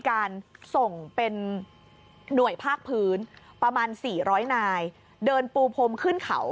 การส่งเป็นหน่วยภาคพื้นประมาณ๔๐๐นายเดินปูพรมขึ้นเขา